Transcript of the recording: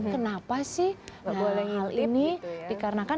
kenapa sih boleh hal ini dikarenakan